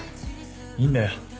いいんだよ。